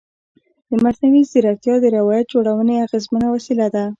مصنوعي ځیرکتیا د روایت جوړونې اغېزمنه وسیله ده.